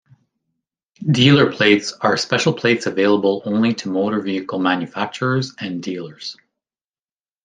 Dealer plates are special plates available only to motor vehicle manufacturers and dealers.